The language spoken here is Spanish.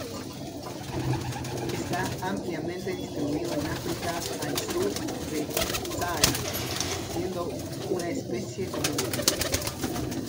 Está ampliamente distribuido en África al sur del Sáhara, siendo una especie común.